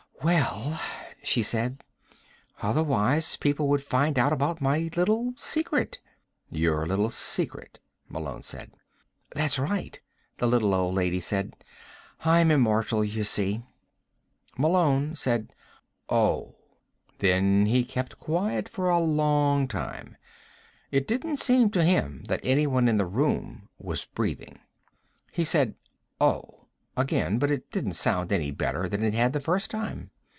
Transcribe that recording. "Well," she said, "otherwise people would find out about my little secret." "Your little secret," Malone said. "That's right," the little old lady said. "I'm immortal, you see." Malone said: "Oh." Then he kept quiet for a long time. It didn't seem to him that anyone in the room was breathing. He said: "Oh," again, but it didn't sound any better than it had the first time.